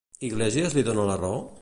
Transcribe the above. Iglesias li dona la raó?